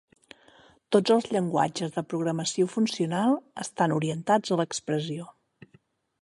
Tots els llenguatges de programació funcional estan orientats a l'expressió.